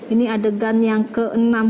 ini adegan yang ke enam